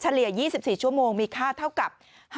๒๔ชั่วโมงมีค่าเท่ากับ